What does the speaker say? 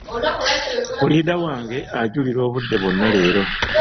Puliida wange ajjulira obudde bwonna leero.